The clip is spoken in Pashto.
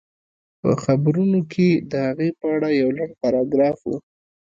په خبرونو کې د هغې په اړه يو لنډ پاراګراف و